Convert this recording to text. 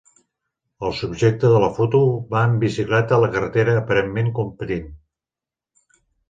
El subjecte de la foto va en bicicleta a la carretera aparentment competint.